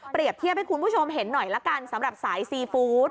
เทียบให้คุณผู้ชมเห็นหน่อยละกันสำหรับสายซีฟู้ด